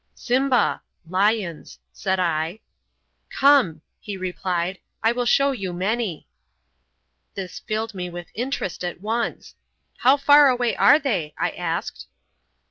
"Simba" ("Lions"), said I. "Come," he replied, "I will show you many." This filled me with interest at once. "How far away are they?" I asked.